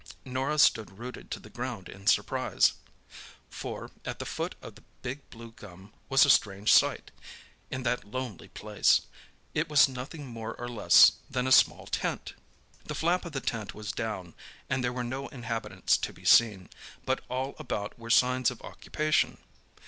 Norah stood rooted to the ground in surprise. For at the foot of the big blue gum was a strange sight, in that lonely place. It was nothing more or less than a small tent. The flap of the tent was down, and there were no inhabitants to be seen; but all about were signs of occupation.